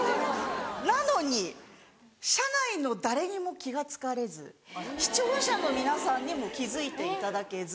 なのに社内の誰にも気が付かれず視聴者の皆さんにも気付いていただけず。